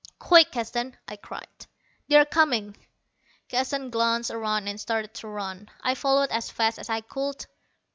"Quick, Keston," I cried, "they're coming." Keston glanced around and started to run. I followed as fast as I could.